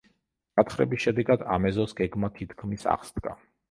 გათხრების შედეგად ამ ეზოს გეგმა თითქმის აღსდგა.